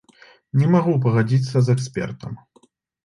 Не магу пагадзіцца з экспертам.